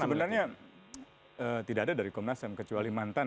sebenarnya tidak ada dari komnas ham kecuali mantan